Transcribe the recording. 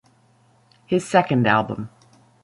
His second album.